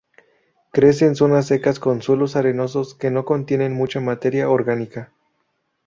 Crece en zonas secas con suelos arenosos que no contienen mucha materia orgánica.